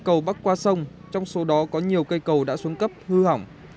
cầu bắc qua sông trong số đó có nhiều cây cầu đã xuống cấp hư hỏng